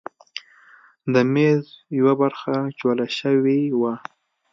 د میز یوه برخه چوله شوې وه.